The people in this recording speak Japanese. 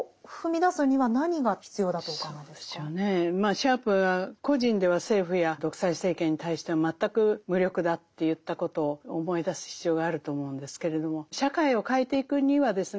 シャープが「個人では政府や独裁政権に対して全く無力だ」と言ったことを思い出す必要があると思うんですけれども社会を変えていくにはですね